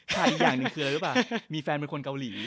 อีกอย่างหนึ่งคืออะไรหรือเปล่ามีแฟนเป็นคนเกาหลี